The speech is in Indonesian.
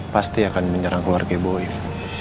pasti akan menyerang keluarga ibu